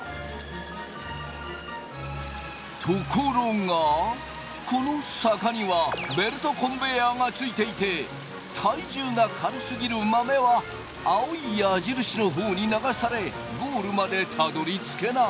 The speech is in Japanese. ところがこの坂にはベルトコンベヤーがついていて体重が軽すぎる豆は青い矢印の方に流されゴールまでたどりつけない。